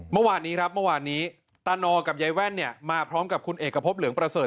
เมื่อวานนี้ตานอร์กับยัยแว่นมาพร้อมกับคุณเอกพบเหลืองประเสริฐ